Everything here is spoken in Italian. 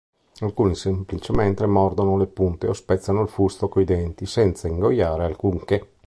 Alcuni semplicemente mordono le punte o spezzano il fusto coi denti, senza ingoiare alcunché.